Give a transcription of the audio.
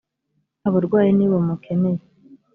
abarwayi ni bo bamukeneye.